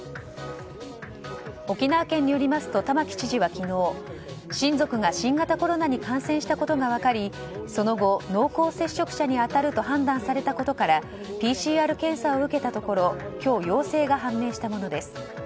沖縄県によりますと玉城知事は昨日親族が新型コロナに感染したことが分かりその後、濃厚接触者に当たると判断されたことからＰＣＲ検査を受けたところ今日、陽性が判明したものです。